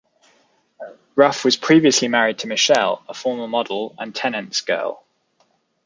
Rough was previously married to Michelle, a former model and Tennent's girl.